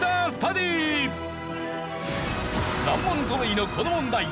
難問ぞろいのこの問題。